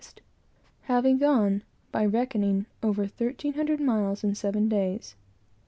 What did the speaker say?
having gone, by reckoning, over thirteen hundred miles in seven days.